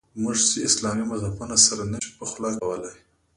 موږ چې اسلامي مذهبونه سره نه شو پخلا کولای.